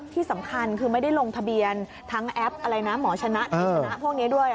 ที่สำคัญคือไม่ได้ลงทะเบียนทั้งแอปอะไรนะหมอชนะกิจชนะพวกนี้ด้วย